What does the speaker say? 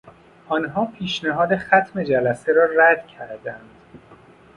آنها پیشنهاد ختم جلسه را رد کردند.